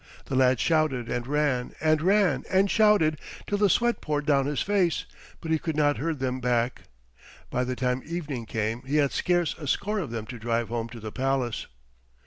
The lad shouted and ran and ran and shouted till the sweat poured down his face, but he could not herd them back. By the time evening came he had scarce a score of them to drive home to the palace.